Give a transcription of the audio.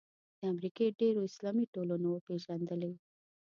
د امریکې ډېرو اسلامي ټولنو وپېژندلې.